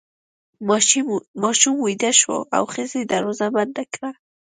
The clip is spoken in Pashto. ماشوم ویده شو او ښځې دروازه بنده کړه.